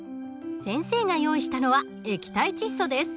先生が用意したのは液体窒素です。